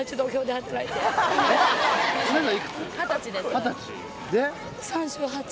二十歳で？